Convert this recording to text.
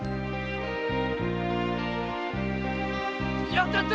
やったやった！